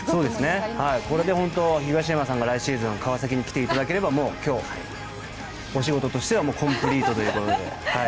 これで東山さんが来シーズン川崎に来ていただければもう今日、お仕事としてはコンプリートということで。